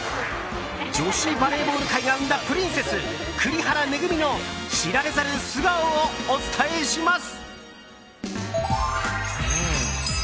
女子バレーボール界が生んだプリンセス栗原恵の知られざる素顔をお伝えします！